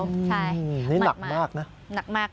ช่างนี่หนักมากนะ